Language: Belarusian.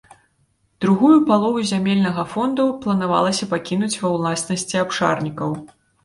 Другую палову зямельнага фонду планавалася пакінуць ва ўласнасці абшарнікаў.